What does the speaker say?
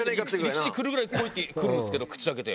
陸地に来るぐらい鯉って来るんですけど口開けて。